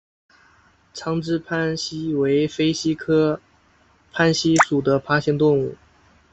长肢攀蜥为飞蜥科攀蜥属的爬行动物。